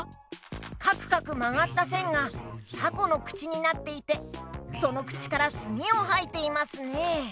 かくかくまがったせんがたこのくちになっていてそのくちからすみをはいていますね。